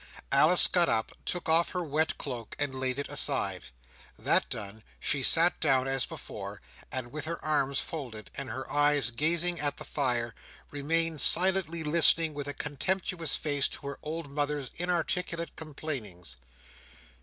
Alice got up, took off her wet cloak, and laid it aside. That done, she sat down as before, and with her arms folded, and her eyes gazing at the fire, remained silently listening with a contemptuous face to her old mother's inarticulate complainings.